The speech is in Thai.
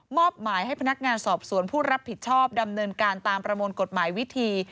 อบหมายให้พนักงานสอบสวนผู้รับผิดชอบดำเนินการตามประมวลกฎหมายวิธี